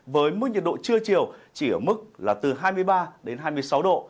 với mức nhiệt độ trưa chiều chỉ ở mức là từ hai mươi ba đến hai mươi sáu độ